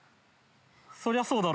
そりゃそうだろ。